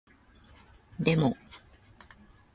でも